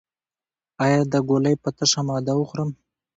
ایا دا ګولۍ په تشه معده وخورم؟